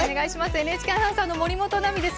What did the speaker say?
ＮＨＫアナウンサーの守本奈実です。